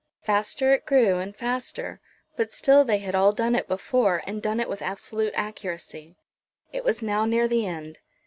Faster it grew and faster; but still they had all done it before, and done it with absolute accuracy. It was now near the end.